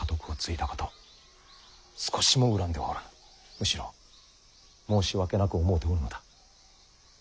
むしろ申し訳なく思うておるのだ。